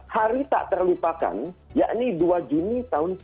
hari tak terlupakan yakni dua juni tahun seribu sembilan ratus sembilan puluh